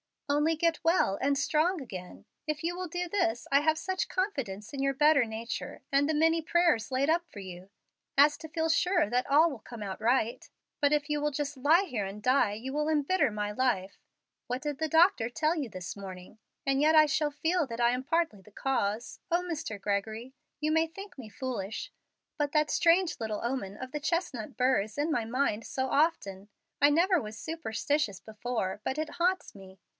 Only get well and strong again. If you will do this, I have such confidence in your better nature, and the many prayers laid up for you, as to feel sure that all will come out right. But if you will just lie here and die, you will imbitter my life. What did the doctor tell you this morning? And yet I shall feel that I am partly the cause. O, Mr. Gregory, you may think me foolish, but that strange little omen of the chestnut burr is in my mind so often! I never was superstitious before, but it haunts me.